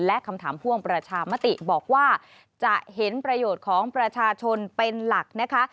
และคำถามพ่วงประชามติบอกว่าจะเห็นประโยชน์ของประชาชนเป็นหลักนะคะ